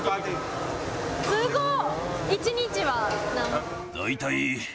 すごっ！